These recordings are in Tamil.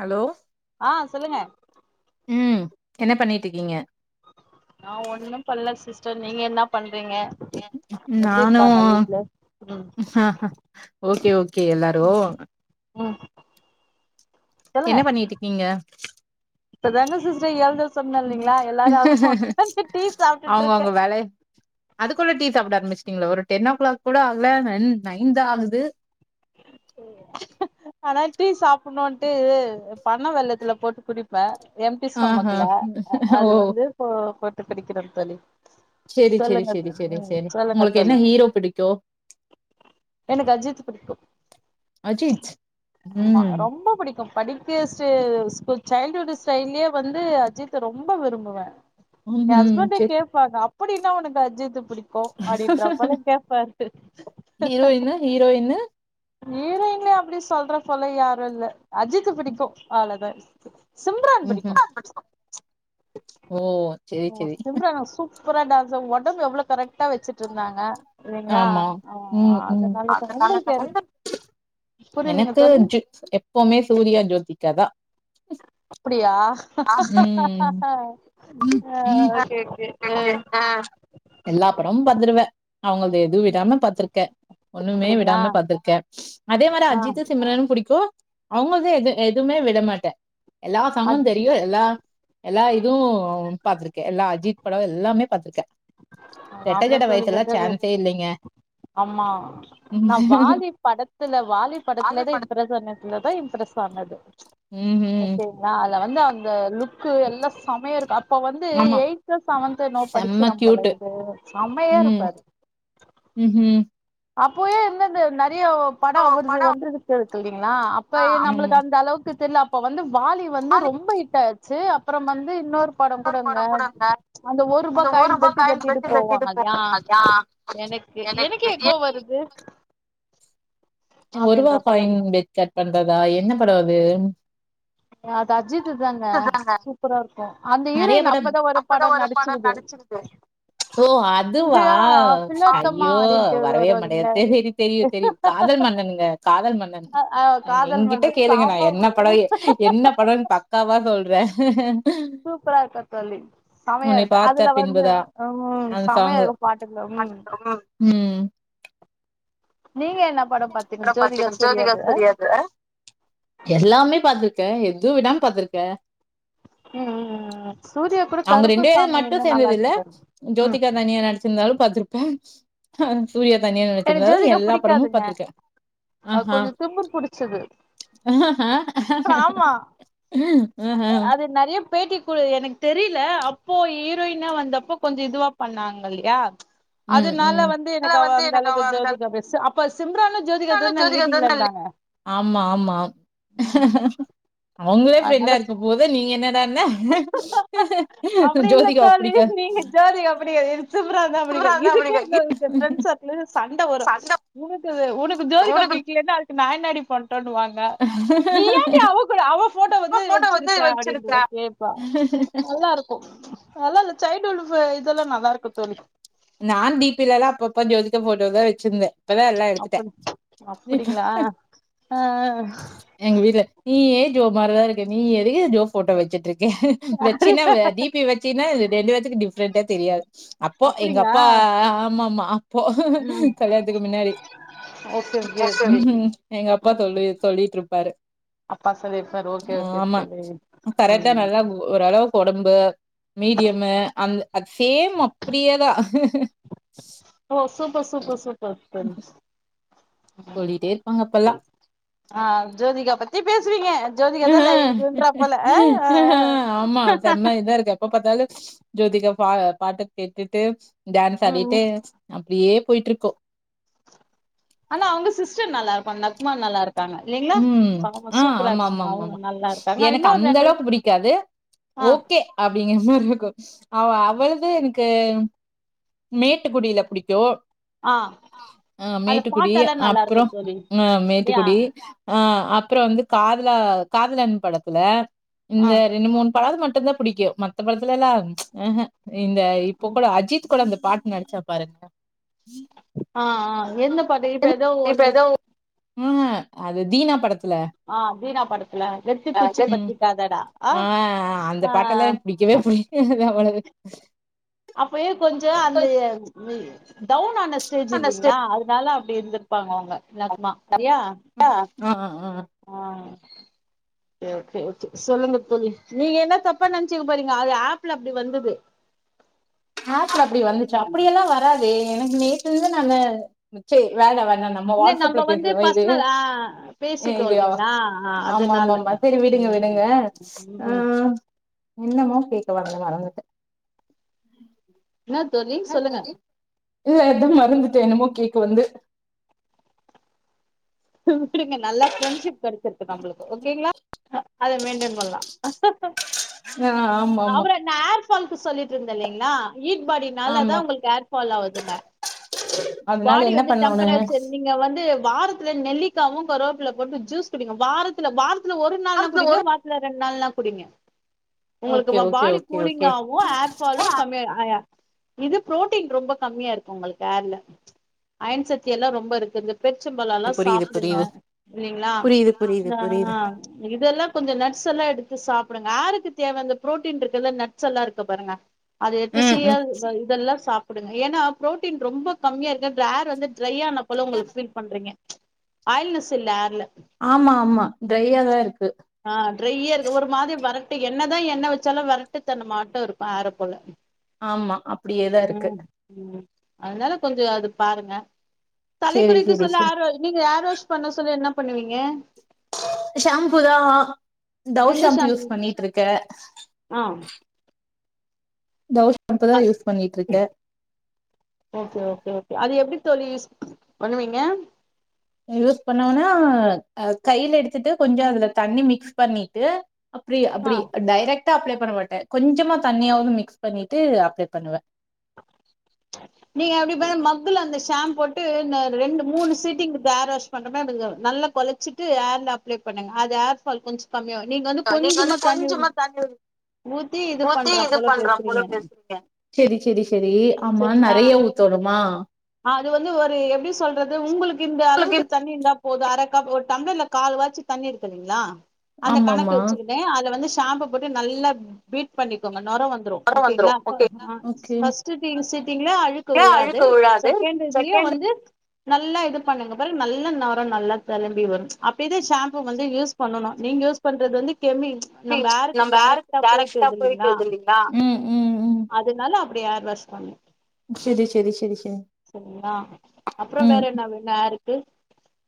ஹலோ ஆ சொல்லுங்க ம் என்ன பண்ணிட்ருக்கீங்க நா ஒன்னூ பண்ல சிஸ் எப்டி நானூ இருக்காங்க வீட்ல ம் ஓகே ஓகே எல்லாரூ ம் என்ன பண்ணிட்ருக்கீங்க இப்ப தாங்க சிஸ்டர் எழுந்த ஸ் சொன்னே இல்லைங்ளா எல்லாரூ [unintelligible] டீ சாப்டுட்ருக்கே குள்ள டீ சாப்ட ஆரம்ப்ச்ட்டிங்களா ஒரு டென் ஓ கிளாக் கூட ஆகல நன் நைன் தா ஆகு து ஆனா டீ சாப்பிட்ணோன்ட்டு பனோ வெல்லத்துல போட்டு குடிப்பே எம்டி ஆஹா ஸ்டோமக்குல அது ஓ வந்து போ போட்டு குடிக்கிறே தோழி செரி செரி சொல்லுங்க செரி செரி ம் செரி சொல்லுங்க உங்களுக்கு தோழி என்ன ஹீரோ பிடிக்கு எனக்கு அஜித் புடிக்கூ அஜித் ஆமா ம் ரொம்போ புடிக் கூ படிக்கற ஸ்டே ஸ் சைல்டுஹுட் ஸ்டைல்லயே வந்து அஜித் ரொம்போ விரும்புவே ஏ ம்ஹும் ஹஸ்பண்டே செரி கேப்பாங்க அப் ப்படி என்ன உனக்கு அஜித்து பிடிக்கு அப்டின்றப்போல கேப்பாரு ஹீரோயின்னு ஹீரோயின்னு ஹீரோயின்ல அப்டி சொல்ற போல யாரு இல்ல அஜித்து புடிக்கு அவ்ளோதா ம் ஓ சேரி ஓ சேரி சிம்ரான் சூப்பரா டான்ஸ ஒடம்ப எவ்ளோ கரெக்ட்டா வச்சி வெச்சிர்ந்தாங்க இல்லைங்ளா ஆமா ம் ம் அந்த அதுனாலதா உங்களுக்கு காலத்துல யாரு புரியலீங்க எனக்கு தோழி ஜ் எப்பவுமே சூரியா ஜோதிகா அதா அப்படியா ம் அ ஓகே ஓகே அ அவுங்கள்து எது வெ விடாம பாத்துருக்கே ஒண்ணுமே அப்டிங்களா விடாம பாத்துருக்கே அதே மாரி ஆ அஜித்து சிம்ரன்னு புடிக்கு அவுங்கள்து எது எதுவ்மே விடமாட்ட எல்லா சாங்கு அஜித் தெரியு எல்லா எல்லா இதுவு பாத்ருக்க எல்லா அஜித் படோ எல்லாமே பாத்ருக்க ரெட்ட ஆமா ஜட தோழி வைத்துலா விடவே சான்ஸே இல்லேங்க ஆமா நா வாலி படத்துல வாலி படத்துலதா இம்ப்ரஸ் பண்ணதுலதா இம்ப்ரஸ் ஆனது ம் ஓகேங்ளா அத்ல வந் ந்து அந்த லுக்கு எல்லா செமையா இருக்கு அ இப்ப வந்து ஆமா எயித்து செவன்த்து இன்னாவோ செம்ம படிக்கிறா போல கியூட்டு இது ம் செம்மயாருப்பாரு ம் ம் அப்பொயே என்னது ந ரீயோ படோ அவர்து வந்து [unintelligible] இல்லலிங்ளா அப்ப ஆமா நம்ப்ளுக்கு அந்த அளவுக்கு தெர்ல அப் ப்பொ வந்து வாலி வந்து ரொம்போ ஹிட் ஆயிர்ச்சு அப் அப்றம் வந்து இன்னொர் படோ இன்னொரு கூடங்க கூட இந்த அந்த ஒரூபா காயின் பெட்டு கட்டிட்டு போவாங்கல்லியா எனக்கு எனக்கே போ எனக்கு வருது ஒருவா அப்டின்ற போல காயின் பெட் கட் பண்றதா என்ன படோ அது அது அஜித்து தாங்க சூப்பராருக்கூ அந்த ஹீரோயின் அப்பதா ஒரு படோ நடிச்சுக்குது ஓ அதுவா இஜையா திலோத்தமா ஐயோ அப்டின்ட்டு வரவே வருங்களே ஒ ங்க காதல் மன்னன் எங்கிட்ட மன்னர் கேளுங்க நா சாம என்ன படோ என்ன படோன்னு பக்காவா சொல்றே சூப்பரா இருக்கூ தோழி சமையா உன்னை இருக் பாத்த அதுல வந்து பின்புதா ம் அந்த சாங்கு சமையாருக்கூ பாட்டுல ம் ம் நீங்க என்ன படோ பாத்தீங்க ஜோதிகா சூர்யாது எல்லாமே பாத்துருக் க எது விடாம பாத்துருக்கே ம் ம் ம் சூர்யா கூட அவுங்க கருப்பு ரெண்டு பேரு சாமி மட்டூ இன்னு நல்லா சேந்தது இல்ல இருக்கு தோழி ம் ஜோதிகா தனியா நடிச்சிருந்தாலூ பாத்துருப்பேன் ஆஹ் சூர்யா தனியா எனக்கு நடுச்சுருந்த ஜோதிகா எல்லா படமு புடிக்காதுங்க பாத்ருக்கேன் அது ஆஹஹ கொஞ்சோ திமிர் புடிச்சது ஆஹஹ ஆமா அது நிறைய பேட்டி குடு எனக்கு தெரியல அப்போ ஹீரோயினா வந்தப்ப கொஞ்சம் இதுவா பண்ணாங்க இல்லையா ம் அதனால ம் வந்து ஆனா எனக்கு அவ அந்த எனக்கு அளவுக்கு அந்த ஜோதிகா பேசு அப்ப சிம்ரனும் ஜோதிகா தான லீடிங்ல இருந்தாங்க ஆமா ஆமா உம் அவங்களே ஃப்ரெண்டா இருக்கும் போது நீங்க என்ன ருந்தா என்ன அப்டி இல்ல ஜோதிகாவ தோழி பிடிக்காது நீங்க ஜோதிகா அப்டி [unintelligible] இதுக்கே எங்க ஃபிரண்ட்ஸ் சர்கள்ல சண்டை வரும் சண்ட உனக்கு உனக்கு ஜோதிகா உனக்கு பிடிக்கலைனா அதுக்கு நா என்னாடி பண்ண றேனுவாங்க நீ ஏண்டி அவ போட்டோ இப்ப வந்து போட்டோ வச்சிருக்க வச்சிருக்க அப்பின்ற ப்பா நல்லா இருக்கும் நல்லா லிச்சை [unintelligible] இதெல்லாம் நல்லா இருக்கு தோழி நான் தீபில எல்லாம் அப்ப அப்ப ஜோதிகா போட்டோ தான் வச்சிருந்தேன் இப்பதான் எல்லாம் எடுத்துட்டேன் அப்படி இப்ப அப்படிங்களா ஆ எங்க வீட்டுல நீ ஏன் ஜோமாரிதான் இ ருக்க நீயே அப்ப யே ஜோ போட்டோ வச்சுட்டு இருக்க வச்சினா தீபி வச்சினா ரெண்டு பேத்துக்கு டி ஃப்ரெண்ட தெரியாது அப்போ எங்க அப் அப்படிங்களா பா ஆமா ஆமா அப்போ ம் கல்யாணத்துக்கு முன்னாடி ஓகே ஓகே ஓகே எங்க அப்பா தொல்லி தொல்லிட்டு இருப்பாரு அப்பா சொல்லிருப்பாரு ஓகே ஓகே ஆமா தோழி தரட்டான் ம் நல்லா ஓரளவுக்கு ஒடம்பு மீடியமு அந்த அது சேம் அப்படியேதான் ஓ சூப்பர் சூப்பர் சூப் பர்பஸ் சொல்லிட்டே இருப்பாங்க அப்பெல்லா. ஆ ஆஹ் ஜோதிகா பத்தி பேசுவீங்க ஜோதிகா ஹ்ஹ தா இதுன்றா போல ஆ ஆ ஆ ஆமா செம்மா இதான் இருக்கு அப்ப பாத்தாலும் ஜோதிகா பா பாட்ட கேட்டுட்டு டான்ஸ் ஆடிட்டு ம் அப்டியியே போயிட்டு இருக்கோம் ஆனா அவுங்க சிஸ்டர் நல்லா இருக்கும் நக்மா நல்லா இருப் உஹம் ஆஹ் ஆமா ஆமா ஆமா அவங்க ஆமா நல்லா இருக்காங்க எனக்கு இன்னொரு அந்த ரெண்டு அளவுக்கு பிடிக்காது ஆ ஓகே அப்படிங்கற மாரி [unintelligible] ஆ அவ்வளது எனக்கு மேட்டுக்குடியில புடிக்கும் ஆ அ அதுல மேட்டுக்குடி பாட்டெல்லா நல்லா அப்றோ இருக்கு தோழி அ யா மேட்டுக்குடி ஆ அப்றோ வந்து காதலா காதலன் படத்துல ஆ இந்த ரெண்டு மூணு படாவது மட் ட்டுந்தா பிடிக்கு மத்த படத்தில்லலா ம்ஹூம் இந்த இப்போ கூட அஜித் கூட அந்த பாட்டு நடிச்சா பாருங்க ஆஆ எந்த பாட்டு இப்ப ஏதோ ஒன்னு ம்ஹூ அது தீனா படத் த்துல ஆ வீணா படத்துல வெத்து பூச்சி பத்திக்காதடா ஆ அந்த ஆ பாட்டெல்லா எனக்கு பிடிக்கவே பிடிக்காது அவ்வளது உஹ அப்பயே கொஞ்சம் அந்த நீ டவுன் ஆன ஸ்டேஜ் அந்த இல்லைங்களா அதனால அப்டி இருந்திருப்பாங்க ந நக் [inaudible] ஆ ஆ ஒகே ஓகே ஓகே சொல்லுங்க தோழி நீங்க என்ன தப்பா நெனைச்சுக்க போறீங்க அது ஆப்ல அப்டி வந்துது ஆப் ல அப்டி வந்துச்சா அப்டியெல்லாம் வராதே எனக்கு நேத்து இருந்து நானு ச்சை வேல வேல வேணா நம்ம இல்ல வாட்ஸ்அப்ல வந்து பேசுறதா இது பர்சனல் ஆ பேசிட்டோ இது இல்லைங்களா அதனால ஆமாம்மாம்மா சேரி ம் விடுங்க ஆ ம் என்னமோ கேக்க வந்தே மறந்துடே என்னா தோழி சொல்லுங்க இல்ல எதும் மறந்துட்டே என்னமோ கேக்க வந்து வுட்ருங்க நல்லா ஃப்ரெண்ட்ஷிப் கெடச்சிருக்கு நம்ளுக்கு ஓகேங்ளா அத மெயின்டென் பண்லா ஆ ஆமா ஆமா ஃப்பாலுக்கு சொல்லிட்ருந்தே இல்லைங்ளா ஹீட் பாடி நால தா ஆமா உங்ளுக்கு ஹேர் ஃபால் ஆவுதுங்க அதனால பாடி என்ன வந்து பண்ணோனு டெம்பரேச்சர் நீங்க வந்து வாரத் நெல்லிக்காவு கருவப்புல போட்டு ஜூஸ் குடிங்க வாரத்துல வாரத் த்துல்ல ஒரு நாள்னா குடிங்க வாரத்துல ரெண் நாள் நா குடிங்க உங்ளுக்கு ஓகே இப்ப okay body okay cooling okay ஆவு ஹேர் ஃபாலு கம்மி ஆ இது ப்ரோட்டீன் ரொம்ப கம்மியா இருக்கு ஒங்ளுக்கு ஹர்ல அயன்சக்தி எல்லா ரொம்ப இருக்கு இந்த பேரிச்ச புரியுது சாப்டுங்க புரியுது இல்லைங்ளா புரியுது புரியுது ஆ புரியுது இதெல்லா கொஞ்ஜோ நட்ஸ் எல்லா எடுத்து சாப்டுங்க ஆருக்கு தேவ அந்த ப்ரோட்டீன் இருக்குல்ல நட்ஸ் எல்லா இருக்கு பாருங்க அத எடுத்து ம் ம் [unintelligible] இதெல்லா சாப் டுங்க ஏன்னா ப்ரோட்டீன் ரொம்ப கம்மியா இருக்கு ஹேரு வந்து ட்ரையான போல உங்களுக்கு ஃபீல் பண்றீங்க ஆயில்நெஸ் இல்ல ஏர்ல ஆமா ஆமா ட்ரையாதாயிருக்கு ஆ ட்ரையா இருக்குது ஒரு மாதி வறட்டு என்னதா எண்ணெ வச்சாலு வறட்டு தனமாட்டோ இருக்கு ஆற போல ஆமா அப்டியேதா இருக்கு ம் ம் அதனால கொஞ்சோ அத பாருங்க சேரி தலைக்குளிக்க சேரி சொல்லி சேரி ஹேர் நீங்க ஹேர் வாஷ் பண்ண சொல்லி என்ன பண்ணுவீங்க ஷாம் இப்போதா டவ் எந்த ஷேம்பு யூஸ் ஷாம்பு பண்ணிட்டுருக்கே ஆ டவ் அ பண்ணிட்ருக்க ஓகே ஓகே ஓகே அது எப்டி தோழி யூஸ் பண்ணுவீங்க யூஸ் பண்ணோனா ஆ கைல எடுத்துட்டு கொஞ்சோ அதுல தண்ணி மிக்ஸ் பண்ணிட்டு அப்டி ஆ அப்டி டைரெக்ட் அப்ளை பண்ண மாட்டே கொஞ்ஜமா தண்ணியாவது மிக்ஸ் பண்ணிட்டு அப்ளை பண்ணுவே நீங்க அப்டி பண்ல மக்குல அந்த ஷாம்பு போட் ட்டு நா ரெண்டு மூணு சீட்டிங் இப்ப ஹார் வாஷ் பண்ற மாருக்கு நல்லா கொலச்சிட்டு ஹேர்ல அப்ளை பண்ணுங்க அது ஹேர் ஃபால் கொஞ் ச கமியாவு நீங்க வந்து நீங்க வந்து கொஞ்சமா தண்ணி கொஞ்சமா தண்ணி ஊத்தி இது ஊத்தி பண்ற இது போல பண்றா போல பெசைங்க பேசுறீங்க செரி செரி செரி ஆமா செரிங்ளா நெறைய ஊத்தணுமா அது வந்து ஒரு எப்டி சொல்றது உங்களுக்கு இந்த உங்களுக்கு அளவுக்கு தண்ணி இர்ந்தா போது அரகப் ஒரு டம்ளர்ல கால் வாச்சி தண்ணி எடுக்குறிங்ளா அந்த கணக்கு ஆமாமா வச்சுக்கினு அத வந்து ஷாம்ப போட்டு நல்லா பீட் பண்ணிக்கோங்க நொர வந்துரு வர வந்துரு ஓகேங்ளா ஓகேங்களா அ ஓகே ஃபர்ஸ்ட் டி சிட்டிங்ல அழுக்கு ஏ வுழாது அழுக்கு விழாது செகண்ட் இதுலயு செகண்ட் வந்து நல்லா இது பண்ணுங்க பெறகு நல்ல நொர நல்லா தலும்பி வரு அப்டிதா ஷாம்பு வந்து யூஸ் பண்ணணு நீங்க யூஸ் பண்றது வந்து கெமி நம்ப ஹேரு ம் ம் ம் இப்டி ஹேர் வாஷ் பண்ணு செரி செரி செரி செரி செரிங்ளா அப்ற வேற ம் என்ன வேணு ஹேருக் கு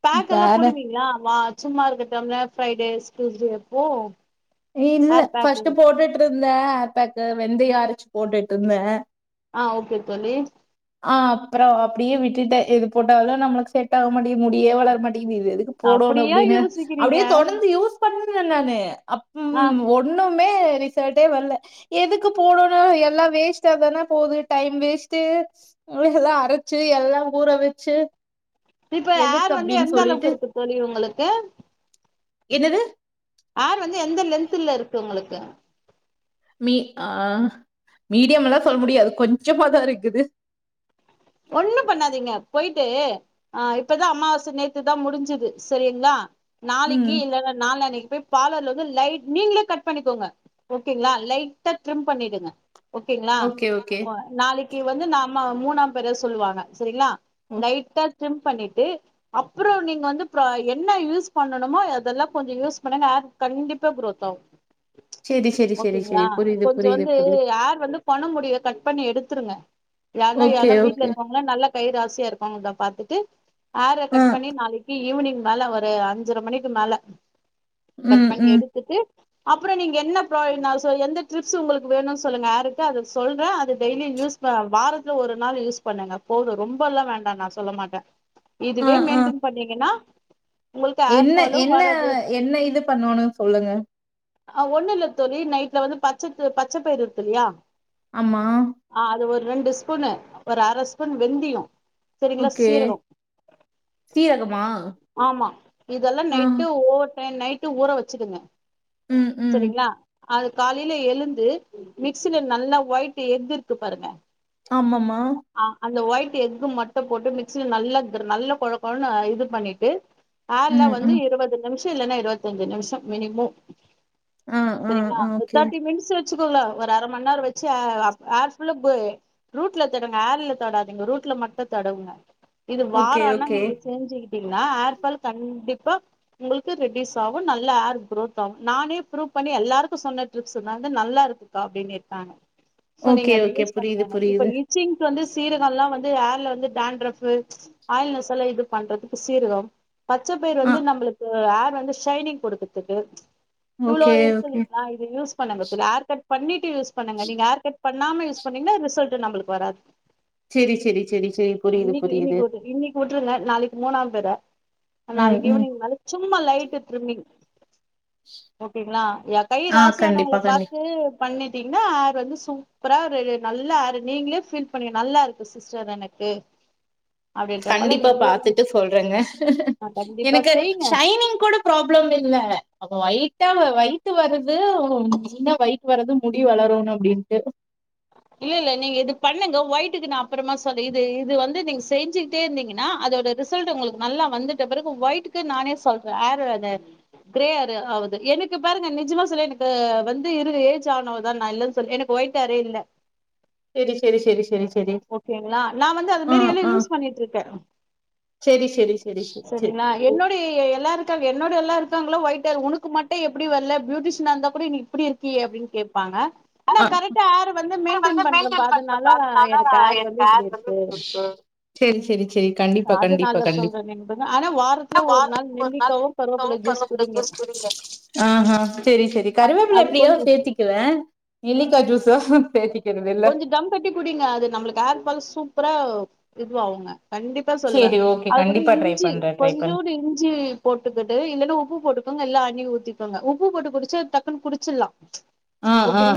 பேக் எல்லாம் வேற போடுவீங்களா வா சும்மா இருக்க டைம்ல ஃப்ரைடே டூயுஸ்டே அப்போ இல்ல ஹேர் பேக்கு பர்ஸ்ட் போட்டுட்டு இருந்தேன் பேக்கு வெந்தயம் அரச் போட்டுட்ருந்தேன் ஆஹ் ஓகே தோழி அப்றம் அப்டியே விட்டுட்டன் எது போட்டாலும் நம்ளுக்கு செட் ஆக மாட்டிங்கிது முடியே வளர மாட்டேங்குது இத எதுக்கு போடனு அப்படியா அப்டின்னு யோசிக்கிறீங்க அப்டியே தொடர்ந்து யூஸ் பண்ண [unintelligible] நானு அப் ஆ உம் ஒண்ணும் மே ரிசல்ட்டே வரல எதுக்கு போடணும் எல்லாம் வேஸ்ட்டா தான போகுது டைம் வேஸ்ட்டு எல்லாம் அரச்சு எல்லாம் ஊற வச்சு இப்ப எதுக்கு ஹேர் வந்து அப்படின்னு எந்த அளவுக்கு சொல்லிட்டு இருக்கு தோழி உங்களுக்கு என்னது ஹேர் வந்து எந்த லென்த்ல இருக்கு உங்களுக்கு [inaudible] மீ ஆஹ் மீடியம்லாம் சொல்ல முடியாது கொஞ்சமாதான் இருக்குது ஒண்ணும் பண்ணாதீங்க போயிட்டு அஹ் இப்பதான் அம்மாவாசை நேத்துதான் முடிஞ்சது செரிங்களா நாளைக்கு ம் இல்லன நாலனைக்கு போய் பார்லர்ல வந்து லைட் நீங்களே கட் பண்ணிக்கோங்க ஓகேங்களா லைட்டா ட்ரிம் பண்ணிடுங்க ஓகேங்களா ஓகே ஓகே ஓ நாளைக்கு வந்து நாம ஆ மூணாம் பெற சொல்லுவாங்க சரிங்களா ஓ லைட்டா ஸிம் பண்ணிட்டு அப்புறம் பு நீங்க வந்து என்ன யூஸ் பண்ணணுமோ அதெல்லாம் கொஞ்சம் யூஸ் பண்ணுங்க. ஹேர் கண்டிப்பா க்ரோத் ஆகும் சேரி சேரி சேரி சேரி ஓகேங்களா புரியுது கொஞ்சம் புரியுது வந்து புரியுது ஹேர் வந்து கொன முடிய கட் பண்ணி எடுத்துருங்க யார்ன்னா ஓகே யார்ன்னா வீட் ஓகே ட்லருக்கவுங்களா நல்ல கை ராசியா இருக் அவங்க தா பாத்துட்டு ஏர ஆ கட் பண்ணி நாளைக்கி ஈவினிங் மேல ஒரு அஞ்சர மணிக்கு மேல கட் ம் பண்ணி ம் எடுத்துட்டு அப்புறம் நீங்க என்ன பொ நான் எந்த டிப்ஸ் உங்களுக்கு வேணு சொல்லுங்க ஹேருக்கு அது சொல்றே டெய்லி யூஸ் ப வாரத்துல ஒரு நாள் யூஸ் பண்ணுங்க போது ரொம்பல்லா வேண்டா நா சொல்ல மாட்டே ஆ இதுவே ஆ மெயின்டென் பண்ணிங்கனா என்ன என்ன என்ன இது பண்ணணோ சொல்லுங்க அஹ் ஒண்ணு இல்ல தோழி நைட்ல வந்து பச்ச பச்சைப்பயிற இருக்குல்லியா ஆமா ரெண்டு ஸ்பூனு ஒரு அர ஸ்பூன் வெந்தயிம் சரிங்களா ஓகே சீரகம் சீரகமா ஆமா இதெல்லாம் ஆ நைட்டு ஓ மே நைட்டு ஊற வச்சுடுங்க உம் உம் சரிங்களா அது காலையில எழுந்து மிக்சில நல்லா ஒயிட்டு எக்கு இருக்கு பாருங்க ஆமம்மா ஆ அந்த ஒயிட் எக்கு மட்டும் போட்டு மிக்சில நல்லா கிர் நல்லா கொழ கொழன்னு இது பண்ணிட்டு ஹேர்ல ம் வந்து ம் இருபது நிமிஷம் இல்லைன்னா இருவத்தஞ்சு நிமிஷம் மினிமம் ஆ ஆ சரிங்களா ஆ ஓகே தெர்டி மினிட்ஸ் க்கங்கள ஒரு அர ம நேரம் வெச்சு ஏர்ஃபுள்ளா ரூட் ரூட்ல தடங்க ஹேர்ல தடாதீங்க ரூட்ல மட்டும் தடவுங்க இது ஓகே வாரம் ஆனா ஓகே நீங்க செஞ்சுக்கிட்டீங்கன்னா ஹார்ஃபால் கண்டிப்ப இப்ப உங்களுக்கு ரெட்யூஸ் ஆகும் நல்லா ஹேர் குஅரோத் ஆகும் நானே ப்ரூவ் பண்ணி எல்லாருக்கும் சொன்ன ட்ரிப்ஸ் தாங்க நல்லா இருக்குக்கா அப்படின்னு இருக்காங்க ஓகே ஓகே புரியுது புரியுது மிக்ஸிங் வந்து சீரகம் எல்லாம் வந்து ஹேர்ல வந்து டண்டரஃப் ஆயில் மசாஸ் இது பண்றதுக்கு சீரகம் பச்ச பயிர் ஆ வந்து நம்மளுக்கு ஹேர் வந்து சைனிங் கொடுக்கிறதுக்கு இவ்ளோ ஓகே ஓகே இருக்குதுங்களா இத யூஸ் பண்ணுங்க. இத ஹேர் கட் பண்ணிட்டு யூஸ் பண்ணுங்க. நீங்க ஹேர் கட் பண்ணாம யூஸ் பண்ணீங்க ரிசல்ட் இது நம்பளுக்கு வராது சேரி சேரி சேரி சேரி புரியுது இன்னைக்கு புரியுது இன்னைக்கு விட்டு இன்க்கு விட்டுருங்க நாளைக்கு மூணாம். [unintelligible] ம் நாளைக்கு ம் ஈவினிங் மேல சும்மா லைட் ட்ரிம்மிங். ஓகேங்களா என் கைய ஓகேங்களா யா கை ஆ ராசியானவங்கள கண்டிப்பா கண்டி பார்த்து பண்ணிட்டீங்கன்னா ஹார் வந்து சு சூப்பரா நல்லா ஹேரு. நீங்களே ஃபீல் பண்ண நல்லா இருக்கு சிஸ்டர் எனக்கு. அப்படின்றப்பல கண்டிப்பா நீங்களே பாத்துட்டு சொல்றேங்க கண்டிப்பா எனக்கு செய்ங்க ஷைனிங் கூட ப்ராப்ளம் இல்ல. அ ஒயிட்டா ஒயட்டு வருது தூ வயிட்டு வர்றது முடி வளரன்னனு அப்படின்ட்டு. இல்ல இல்ல நீங்க இது பண்ணுங்க ஒயிட்டுக்கு நா அப்புறமா சொல்றேன் இது இது வந்து நீங்க செஞ்சுகிட்டே இருந்தீங்கன்னா அதோட ரிசல்ட் உங்களுக்கு நல்லா வந்துட்ட பிறகு ஒயட்டுக்கு நானே சொல்றேன் ஆரு அது கிரே ஆரு ஆகுது எனக்கு பாருங்க நிஜமா சொல்ல எனக்கு வந்து இருது ஏஜ் ஆனவுதா நா இல்லலைன்னு சொல்ல எனக்கு ஒயிட் ஹரே இல்ல. செரி செரி செரி செரி ஸ் ஓகேங்களா நா வந்து அந்த மேரி எல்லா யூஸ் பண்ணிட்ருக்கே சரி சரி சரி சரி சரி செரிங்ளா என்னுடைய எ எல்லாரு [unintelligible] என்னோடது எல்லா இரு ட்டாங்களா ஒயிட் ஹேர் உனுக்கு மட் எ எப்பிடி வல்ல பியூட்டிஷினா இந்தா கூட நீ இப்பிடி இருக்கியே அப்டின் கேப்பாங்க நா கரெட்டா யாரு வந் ஹெர வந்து மெயின்டைன் பண்ணலப்பா அதுனால ஹேர் வந்து இப்டி இருக்கு சேரி சேரி சேரி கண்டிப்பா கண்டிப்பா அதனால கண்டிப்பா சொல்றேன் நீங்க ஆனா வாரத்துல ஒரு நாள் நெல்லிக்காவும் கருவேப்பிலை ஜூஸ் குடிங்க அ ஹ செரி செரி அது கருவேப்பில்ல அது எப்டியாவ்து கொஞ்சம் சேத்திக்குவே நெல்லிக்கா ஜுஸு தேத்தி கொஞ்ச தம் கட்டி குடிங்க அது நம்ளுக்கு ஏர் ஃபாலு சூப்பரா இதுவு அவுங்க கண்டிப்பா சொல்லுவே சரி ஓகே அது கூட கண்டிப்பா ட்ரை இஞ்சி பண்றே ட்ரை பண்றே. கொஞ்சூண்டு இஞ்சி போட்டுக்கிட்டு இல்லின்ன உப்பு போட்டுக்கங்க இல்ல‌ ண்ணி ஊத்திக்கோங்க உப்பு போட்டு குடிச்சா டக்குனு குடிச்சில்லா ஆஹ் ஆஹ்